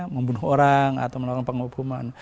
membunuh orang atau menolong penghubungan